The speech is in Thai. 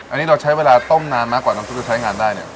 อันนี้เราใช้เวลาต้มนานมากกว่าน้ำซุปจะใช้งานได้เนี่ย